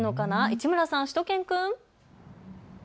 市村さん、しゅと犬くん。